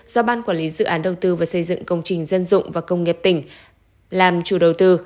do ban quản lý dự án đầu tư và xây dựng công trình dân dụng và công nghiệp tỉnh làm chủ đầu tư